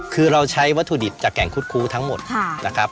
คือเราใช้วัตถุดิบจากแก่งคุดคู้ทั้งหมดนะครับ